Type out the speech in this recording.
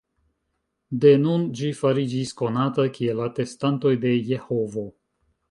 De nun ĝi fariĝis konata kiel "Atestantoj de Jehovo".